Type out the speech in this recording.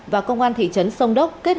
và công an thị trấn sông đốc